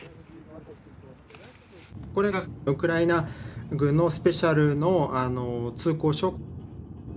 これがウクライナ軍のスペシャルの通行証。